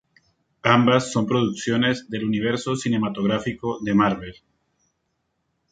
Ambas son producciones del Universo cinematográfico de Marvel.